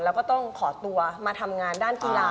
แล้วก็ต้องขอตัวมาทำงานด้านกีฬา